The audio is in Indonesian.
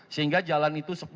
sehingga jalan itu sudah tutup